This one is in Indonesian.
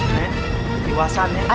jadi kamu habitual mahasiswa